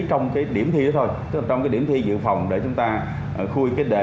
trong cái điểm thi đó thôi trong cái điểm thi dự phòng để chúng ta khui cái đề